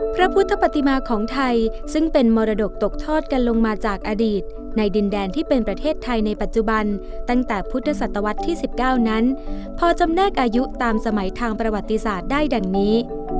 พระพุทธปฏิมาของไทยซึ่งเป็นมรดกตกทอดกันลงมาจากอดีตในดินแดนที่เป็นประเทศไทยในปัจจุบันตั้งแต่พุทธศตวรรษที่๑๙นั้นพอจำแนกอายุตามสมัยทางประวัติศาสตร์ได้ดังนี้